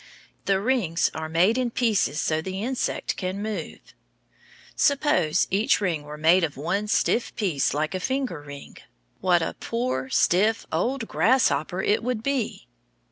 The rings are made in pieces so the insect can move. Suppose each ring were made of one stiff piece like a finger ring. What a poor stiff, old grasshopper it would be!